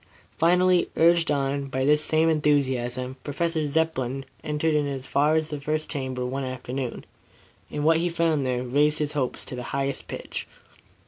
Finally, urged on by this same enthusiasm, Professor Zepplin ventured in as far as the first chamber one afternoon, and what he found there raised his hopes to the highest pitch.